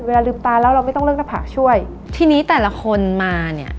ลืมตาแล้วเราไม่ต้องเลือกหน้าผากช่วยทีนี้แต่ละคนมาเนี่ย